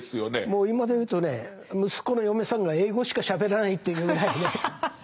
もう今でいうとね息子の嫁さんが英語しかしゃべらないというぐらいね。